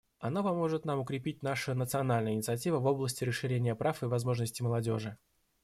Оно поможет нам укрепить наши национальные инициативы в области расширения прав и возможностей молодежи.